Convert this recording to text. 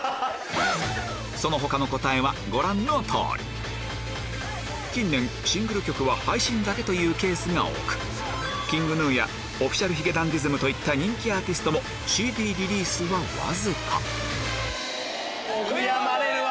その他の答えはご覧の通り近年シングル曲は配信だけというケースが多くＫｉｎｇＧｎｕやＯｆｆｉｃｉａｌ髭男ｄｉｓｍといった人気アーティストもＣＤリリースはわずか悔やまれるわ！